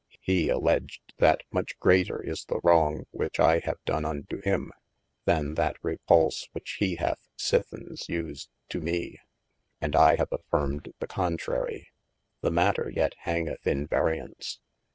He alleadged, that much greater is the wrong which I have done unto him, than that repulse which hee hath sithenes used to me : and I have affirmed the contrary. The matter yet hangeth in varyence.